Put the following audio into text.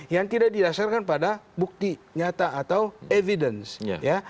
yang tidak didasarkan pada bukti nyata atau evidence ya